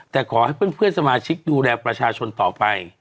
แต่ขอให้เพื่อนสมาชิกดูแลประชาชนต่อไป